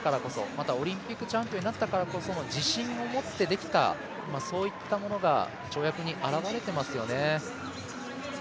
また、オリンピックチャンピオンになったからこその自信を持ってできたそういったものが跳躍に表れてますよね。